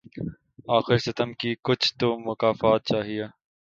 آخر ستم کی کچھ تو مکافات چاہیے